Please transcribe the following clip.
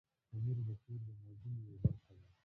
تنور د کور د نازونو یوه برخه ده